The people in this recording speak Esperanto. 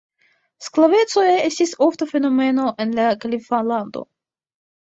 Sklaveco estis ofta fenomeno en la Kaliflando.